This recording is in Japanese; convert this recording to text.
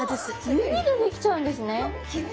指でできちゃうんですね。